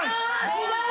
違う？